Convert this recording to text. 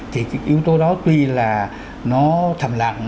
thì yếu tố đó tuy là nó thầm lặng